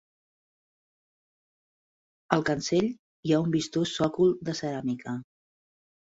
Al cancell hi ha un vistós sòcol de ceràmica.